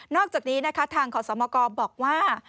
นอกจากนี้ทางขอสมกบอกว่า